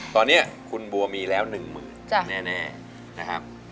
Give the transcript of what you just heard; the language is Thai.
ตอนนี้คุณบัวมีแล้ว๑หมื่นแน่นะครับ